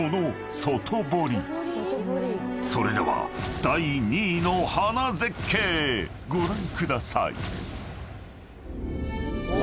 ［それでは第２位の花絶景ご覧ください］うわ！